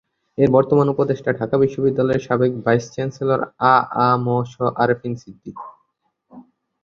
এর বর্তমান উপদেষ্টা ঢাকা বিশ্ববিদ্যালয়ের সাবেক ভাইস চ্যান্সেলর আ আ ম স আরেফিন সিদ্দিক